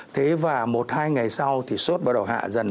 thế và một hai ngày sau thì sốt bắt đầu hạ dần